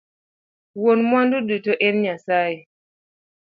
Wuon mwandu duto en nyasaye